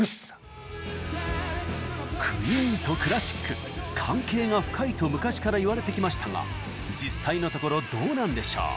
なんかもう関係が深いと昔から言われてきましたが実際のところどうなんでしょう？